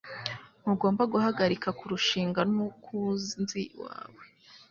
Ntugomba guhagarika kurushinga n'ukunzi wawe.